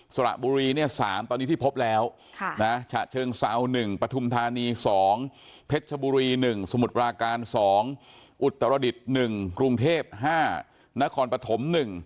สระบุรีเนี่ย๓ตอนนี้ที่พบแล้วฉะเชิงเซา๑ปฐุมธานี๒เพชรชบุรี๑สมุทรปราการ๒อุตรดิษฐ์๑กรุงเทพ๕นครปฐม๑